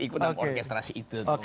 ikut dalam orkestrasi itu